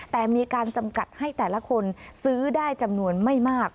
แต่มีการจำกัดให้แต่ละคนซื้อได้จำนวนไม่มาก